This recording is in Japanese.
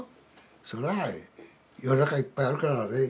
そらあ世の中いっぱいあるからね。